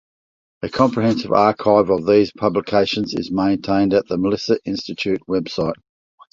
A comprehensive archive of these publications is maintained at the Melissa Institute website.